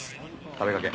食べかけ。